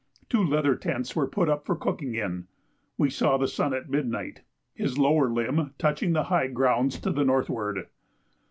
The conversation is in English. Two leather tents were put up for cooking in. We saw the sun at midnight, his lower limb touching the high grounds to the northward.